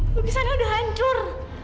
lukisannya udah hancur